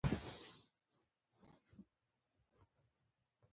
احمد د جنسي لمسو او نغوتو مرۍ د تل لپاره خپه کړه.